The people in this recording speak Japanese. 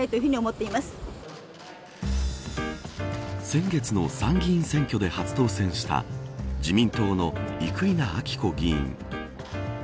先月の参議院選挙で初当選した自民党の生稲晃子議員。